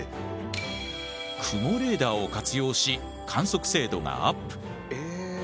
雲レーダーを活用し観測精度がアップ。